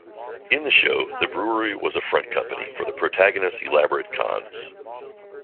In the show, the brewery was a front company for the protagonists' elaborate cons.